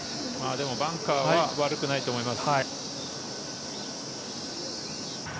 でもバンカーは悪くないと思います。